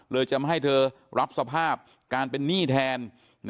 จะไม่ให้เธอรับสภาพการเป็นหนี้แทน